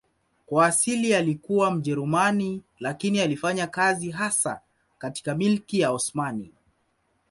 Kwa asili alikuwa Mjerumani lakini alifanya kazi hasa katika Milki ya Osmani.